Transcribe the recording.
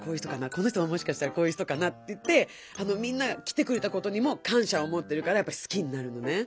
「この人はもしかしたらこういう人かな」っていってみんなが来てくれたことにもかんしゃをもってるからやっぱすきになるのね。